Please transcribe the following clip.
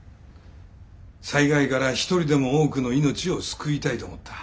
災害から一人でも多くの命を救いたいと思った。